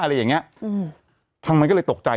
อะไรอย่างเงี้ยอืมทางมันก็เลยตกใจ